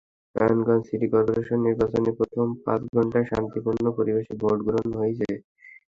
Narayanganj city corporation নির্বাচনে প্রথম পাঁচ ঘণ্টায় শান্তিপূর্ণ পরিবেশে ভোট গ্রহণ হয়েছে।